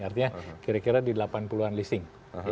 artinya kira kira di delapan puluh an leasing